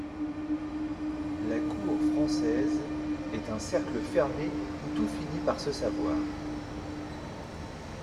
La cour française au est un cercle fermé où tout finit par se savoir...